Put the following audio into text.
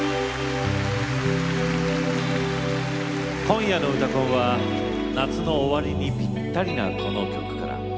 今夜の「うたコン」は夏の終わりにぴったりなこの曲から。